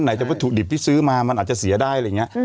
จากวัตถุดิบที่ซื้อมามันอาจจะเสียได้อะไรอย่างนี้